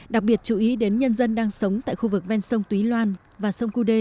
đặc biệt chú ý đến nhân dân đang sống tại khu vực ven sông túy loan và sông cú đê